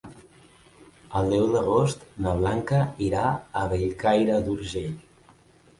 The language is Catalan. El deu d'agost na Blanca irà a Bellcaire d'Urgell.